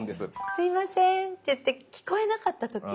「すいません」って言って聞こえなかった時。